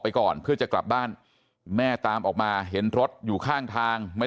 ก่อนเพื่อจะกลับบ้านแม่ตามออกมาเห็นรถอยู่ข้างทางไม่